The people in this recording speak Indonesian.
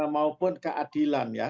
maupun keadilan ya